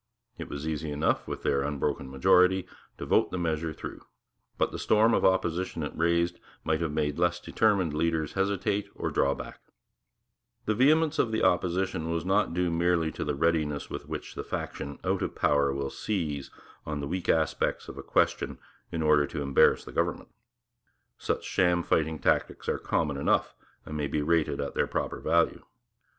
It was easy enough, with their unbroken majority, to vote the measure through; but the storm of opposition it raised might have made less determined leaders hesitate or draw back. [Illustration: Sir Louis H. LaFontaine. After a photograph by Notman] The vehemence of the opposition was not due merely to the readiness with which the faction out of power will seize on the weak aspects of a question in order to embarrass the government. Such sham fight tactics are common enough and may be rated at their proper value.